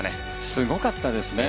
すごかったですね。